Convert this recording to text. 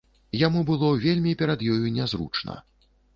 Яму вельмі было перад ёю нязручна.